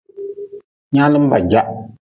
Nyaalm ba jah.